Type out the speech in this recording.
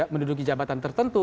menduduki jabatan tertentu